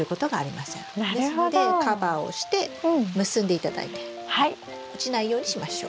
ですのでカバーをして結んで頂いて落ちないようにしましょう。